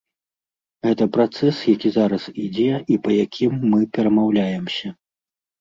Гэта працэс, які зараз ідзе і па якім мы перамаўляемся.